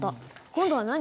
今度は何？